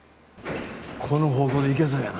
この方向でいけそうやな。